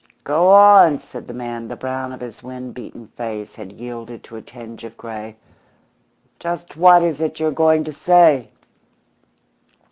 "Go on," said the man; the brown of his wind beaten face had yielded to a tinge of grey. "Just what is it you are going to say?"